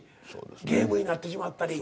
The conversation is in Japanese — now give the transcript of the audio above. ゲームになってしまったり。